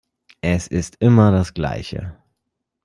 Es ist immer das Gleiche.